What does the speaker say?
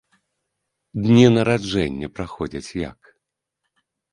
Дні нараджэння праходзяць як?